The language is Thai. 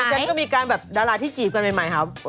ฉันก็มีการแบบดาราที่จีบกันใหม่ครับ